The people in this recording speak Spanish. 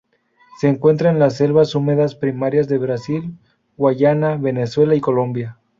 Se encuentra en las selvas húmedas primarias de Brasil, Guyana, Venezuela y Colombia.